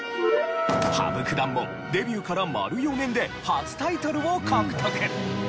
羽生九段もデビューから丸４年で初タイトルを獲得。